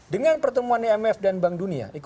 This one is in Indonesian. dengan pertemuan imf dan bank dunia